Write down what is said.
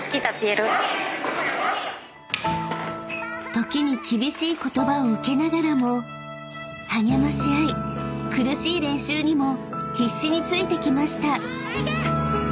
［時に厳しい言葉を受けながらも励まし合い苦しい練習にも必死についてきました］